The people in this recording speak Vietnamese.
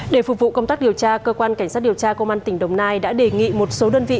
để phục vụ công tác điều tra cơ quan cảnh sát điều tra công an tỉnh đồng nai đã đề nghị một số đơn vị